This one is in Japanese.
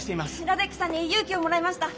ラデックさんに勇気をもらいました！